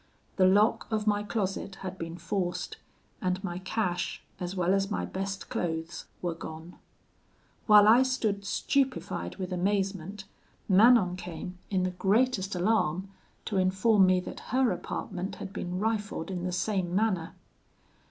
The lock of my closet had been forced, and my cash as well as my best clothes were gone. While I stood stupefied with amazement, Manon came, in the greatest alarm, to inform me that her apartment had been rifled in the same manner.